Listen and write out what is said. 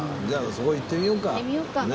じゃあそこ行ってみようか。